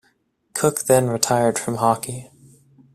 Cook then retired from hockey.